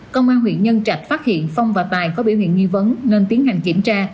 công an huyện nhân trạch phát hiện phong và tài có biểu hiện nghi vấn nên tiến hành kiểm tra